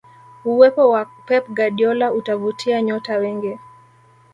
uwepo wa pep guardiola utavutia nyota wengi